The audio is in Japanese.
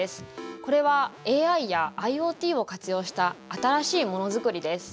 これはＡＩやＩｏＴを活用した新しいものづくりです。